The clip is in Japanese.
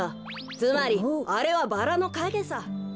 つまりあれはバラのかげさ。